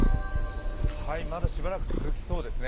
まだしばらく続きそうですね。